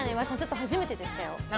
初めてでしたよ。